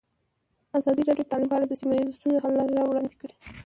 ازادي راډیو د تعلیم په اړه د سیمه ییزو ستونزو حل لارې راوړاندې کړې.